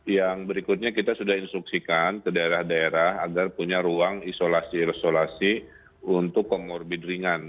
yang berikutnya kita sudah instruksikan ke daerah daerah agar punya ruang isolasi isolasi untuk comorbid ringan